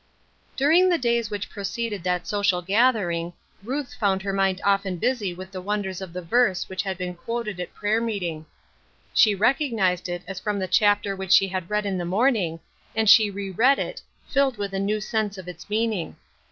lURING the days which preceded that social gathering, Ruth found her mind often busy with the wonders of the verse which had been quoted at prayer meeting. She recog nized it as from the chapter which she had read in the morning, and she re read it, filled with a new sense of its meaning.